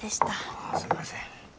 ああすんません。